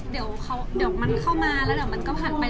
เดี๋ยวมันเข้ามาแล้วเดี๋ยวมันก็ผ่านไป